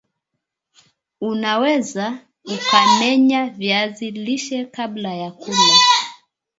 una weza ukamenya viazi lishe kabla ya kula